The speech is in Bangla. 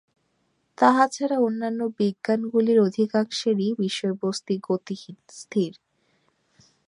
তাহা ছাড়া অন্যান্য বিজ্ঞানগুলির অধিকাংশেরই বিষয়বস্তু গতিহীন, স্থির।